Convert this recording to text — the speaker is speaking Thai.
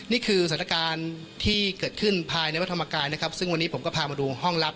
นี่คือสถานการณ์ที่เกิดขึ้นภายในวัฒนธรรมกายนะครับซึ่งวันนี้ผมก็พามาดูห้องลับ